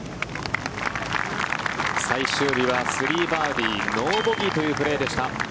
最終日は３バーディーノーボギーというプレーでした。